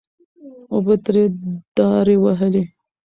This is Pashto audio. اوبو ترې دارې وهلې. .